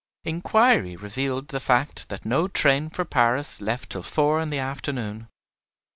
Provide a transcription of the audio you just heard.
Inquiry revealed the fact that no train for Paris left till four in the afternoon.